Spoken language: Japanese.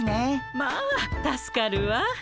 まあ助かるわ。